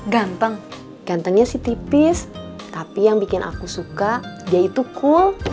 gampang gantengnya sih tipis tapi yang bikin aku suka dia itu cool